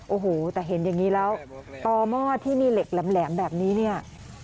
โอ้โหแต่เห็นอย่างนี้แล้วต่อหม้อที่มีเหล็กแหลมแบบนี้เนี่ย